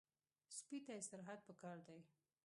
سپي ته استراحت پکار دی.